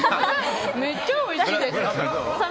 めっちゃおいしいです！